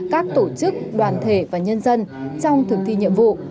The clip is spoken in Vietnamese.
các tổ chức đoàn thể và nhân dân trong thực thi nhiệm vụ